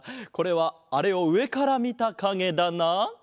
これはあれをうえからみたかげだな？